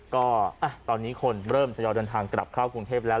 ก็ตอนนี้คนเริ่มทยอยเดินทางกลับเข้ากรุงเทพแล้ว